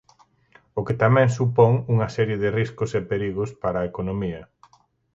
O que tamén supón unha serie de riscos e perigos para a economía.